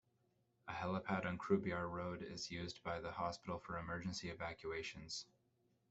A helipad on Croobyar Road is used by the hospital for emergency evacuations.